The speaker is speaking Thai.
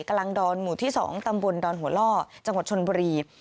กลางดอนหมู่ที่๒ตำบลดอนหัวล่อจังหวัดชนบุรี